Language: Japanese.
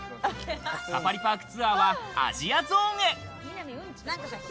サファリパークツアーはアジアゾーンへ。